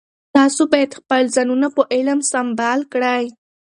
تاسو باید خپل ځانونه په علم سمبال کړئ.